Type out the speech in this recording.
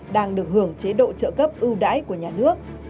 đang được hưởng chế độ trợ cấp ưu đãi của nhà nước